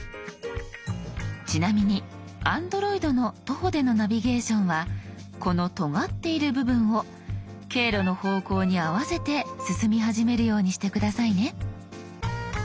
ちなみにＡｎｄｒｏｉｄの徒歩でのナビゲーションはこのとがっている部分を経路の方向に合わせて進み始めるようにして下さいね。